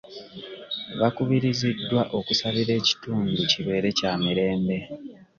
Bakubiriziddwa okusabira ekitundu kibeere kya mirembe.